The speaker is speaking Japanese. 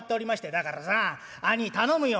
「だからさ兄ぃ頼むよ」。